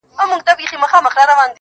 دى وايي دا.